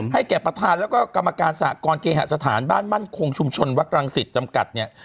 แก่ประธานแล้วก็กรรมการสหกรเคหสถานบ้านมั่นคงชุมชนวัดรังสิตจำกัดเนี่ย